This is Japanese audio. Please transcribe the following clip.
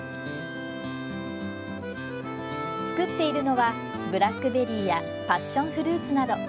作っているのはブラックベリーやパッションフルーツなど。